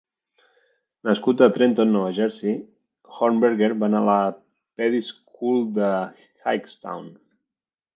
Nascut a Trenton, Nova Jersey, Hornberger va anar a la Peddie School de Hightstown.